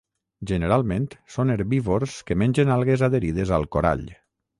Generalment, són herbívors que mengen algues adherides al corall.